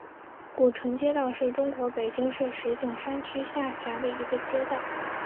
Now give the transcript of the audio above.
古城街道是中国北京市石景山区下辖的一个街道。